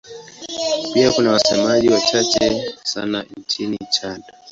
Pia kuna wasemaji wachache sana nchini Chad.